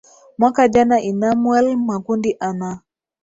mwaka jana enamuel makundi ana